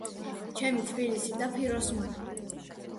ჩემი თბილისი და ფიროსმანი,